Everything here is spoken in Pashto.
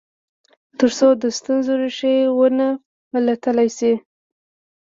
تر څو د ستونزو ریښې و نه پلټل شي.